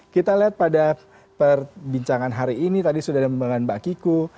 kita lihat pada perbincangan hari ini tadi sudah ada pembahasan mbak kiku